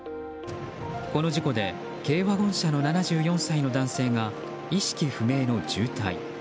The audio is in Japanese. この事故で軽ワゴン車の７４歳の男性が意識不明の重体。